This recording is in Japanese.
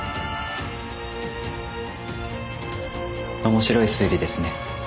面白い推理ですね。